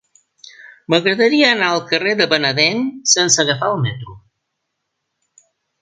M'agradaria anar al carrer de Benavent sense agafar el metro.